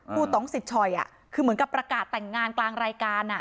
ต้องสิทชอยคือเหมือนกับประกาศแต่งงานกลางรายการ